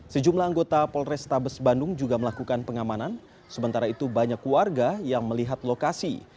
sejumlah anggota polrestabes bandung juga melakukan pengamanan sementara itu banyak warga yang melihat lokasi